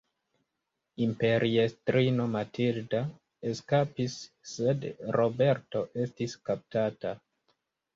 Imperiestrino Matilda eskapis sed Roberto estis kaptata.